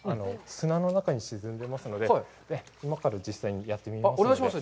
砂の中に沈んでますので、今から実際にやってみますんで。